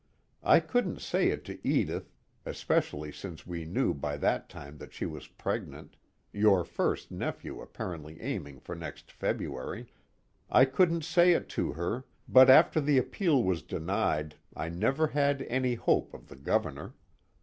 I couldn't say it to Edith (especially since we knew by that time that she was pregnant, your first nephew apparently aiming for next February) I couldn't say it to her, but after the appeal was denied I never had any hope of the Governor.